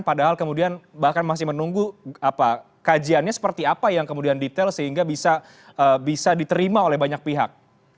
padahal kemudian bahkan masih menunggu kajiannya seperti apa yang kemudian detail sehingga bisa diterima oleh banyak pihak